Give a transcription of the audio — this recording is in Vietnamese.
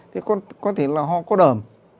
thì có thể là ho có đờm